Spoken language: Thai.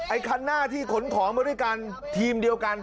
คันหน้าที่ขนของมาด้วยกันทีมเดียวกัน